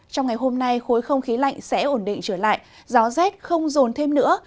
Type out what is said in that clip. trong ngày hôm nay khối không khí lạnh sẽ ổn định trở lại gió rét không rồn thêm nữa